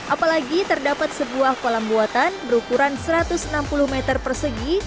apalagi terdapat sebuah kolam buatan berukuran satu ratus enam puluh meter persegi